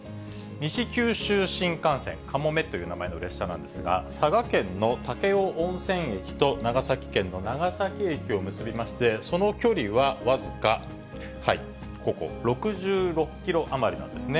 西九州新幹線かもめという名前の列車なんですが、佐賀県の武雄温泉駅と長崎県の長崎駅を結びまして、その距離は僅か、ここ、６６キロ余りなんですね。